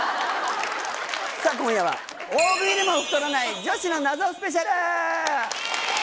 さあ、今夜は大食いでも太らない女子の謎スペシャル。